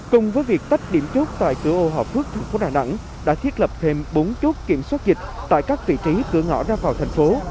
cùng với việc tách điểm chốt tại cửa ô phước tp đà nẵng đã thiết lập thêm bốn chốt kiểm soát dịch tại các vị trí cửa ngõ ra vào thành phố